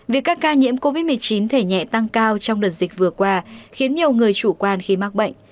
việc các ca nhiễm covid một mươi chín thể nhẹ tăng cao trong đợt dịch vừa qua khiến nhiều người chủ quan khi mắc bệnh